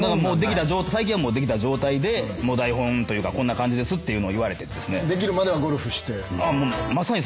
最近はもうできた状態で台本というかこんな感じですっていうのを言われてですね。